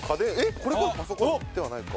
これパソコンではないか。